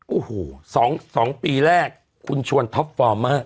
โอ้โห๒ปีแรกคุณชวนท็อปฟอร์มมาก